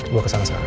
gue kesana sekarang